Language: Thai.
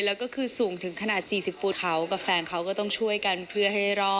แล้วก็คือสูงถึงขนาด๔๐ภูเขากับแฟนเขาก็ต้องช่วยกันเพื่อให้รอด